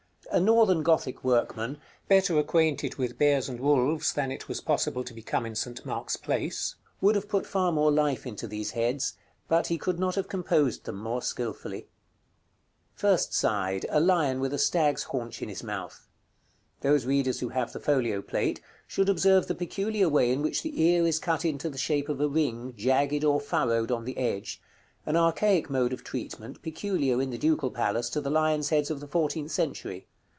A Northern Gothic workman, better acquainted with bears and wolves than it was possible to become in St. Mark's Place, would have put far more life into these heads, but he could not have composed them more skilfully. § CXIX. First side. A lion with a stag's haunch in his mouth. Those readers who have the folio plate, should observe the peculiar way in which the ear is cut into the shape of a ring, jagged or furrowed on the edge; an archaic mode of treatment peculiar, in the Ducal Palace, to the lions' heads of the fourteenth century.